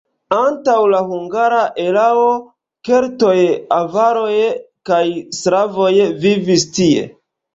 Antaŭ la hungara erao keltoj, avaroj kaj slavoj vivis tie.